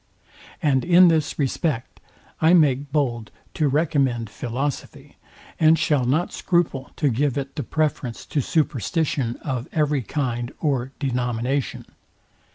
And in this respect I make bold to recommend philosophy, and shall not scruple to give it the preference to superstition of every kind or denomination.